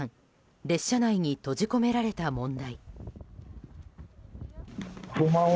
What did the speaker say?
列車内に閉じ込められた問題。